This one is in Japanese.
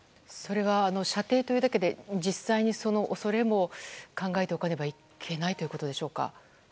それは射程というだけで実際にその恐れも考えておかねばいけないということでしょうか。